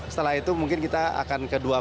setelah itu mungkin kita akan ke tiga empat kota lah